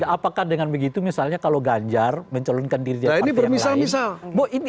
apakah dengan begitu misalnya kalau ganjar mencalonkan diri dari partai yang lain